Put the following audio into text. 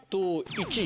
１位。